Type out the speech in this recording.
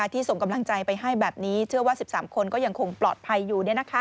ส่งกำลังใจไปให้แบบนี้เชื่อว่า๑๓คนก็ยังคงปลอดภัยอยู่